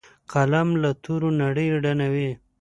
قلم له تورو نړۍ رڼوي